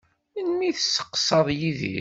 Melmi i tesseqsaḍ Yidir?